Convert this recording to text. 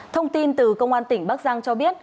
thông tin từ công an tỉnh bắc giang cho biết